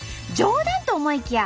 冗談と思いきや